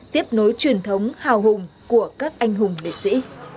tiếp nối truyền thống hào hùng của các anh hùng liệt sĩ